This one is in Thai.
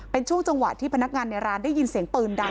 เป็นช่วงจังหวะที่พนักงานในร้านได้ยินเสียงปืนดัง